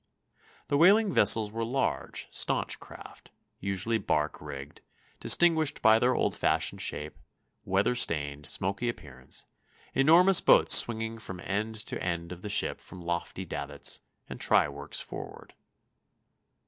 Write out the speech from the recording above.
The whaling vessels were large, stanch craft, usually bark rigged, distinguished by their old fashioned shape, weather stained, smoky appearance, enormous boats swinging from end to end of the ship from lofty davits, and try works forward.